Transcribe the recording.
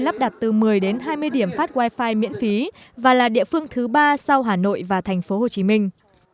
lắp đặt từ một mươi đến hai mươi điểm phát wifi miễn phí và là địa phương thứ ba sau hà nội và thành phố hồ chí minh